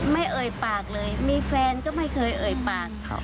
เอ่ยปากเลยมีแฟนก็ไม่เคยเอ่ยปาก